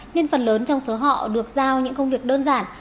nên phần lớn trong số họ được giao những công việc đơn giản